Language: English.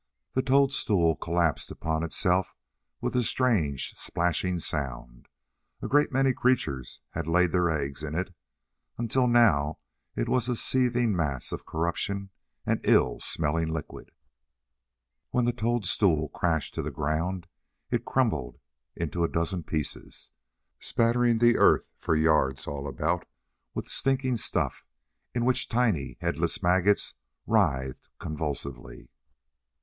The toadstool collapsed upon itself with a strange splashing sound. A great many creatures had laid their eggs in it, until now it was a seething mass of corruption and ill smelling liquid. When the toadstool crashed to the ground, it crumbled into a dozen pieces, spattering the earth for yards all about with stinking stuff in which tiny, headless maggots writhed convulsively.